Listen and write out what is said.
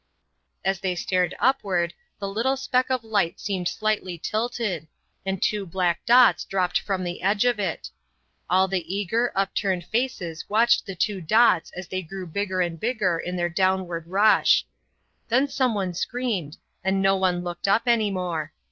As they stared upward the little speck of light seemed slightly tilted, and two black dots dropped from the edge of it. All the eager, upturned faces watched the two dots as they grew bigger and bigger in their downward rush. Then someone screamed, and no one looked up any more.